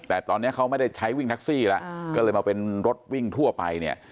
แต่ตอนนี้เขาไม่ได้ใช้วิ่งแท็กซี่แล้วก็เลยมาเป็นรถวิ่งทั่วไปเนี่ย